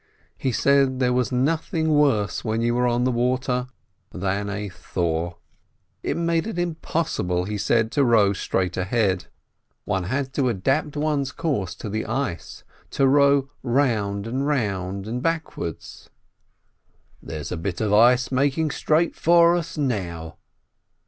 He said there was nothing worse when you were on the water than a thaw. It made it impossible, he said, to row straight ahead; 138 SHOLOM ALECHEM one had to adapt one's course to the ice, to row round and round and backwards. "There's a bit of ice making straight for us now."